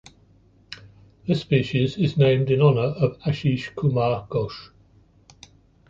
This species is named in honor of Asish Kumar Ghosh.